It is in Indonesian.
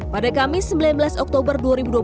pada kamis sembilan belas oktober dua ribu dua puluh